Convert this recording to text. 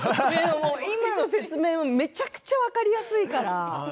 今の説明がめちゃくちゃ分かりやすいから。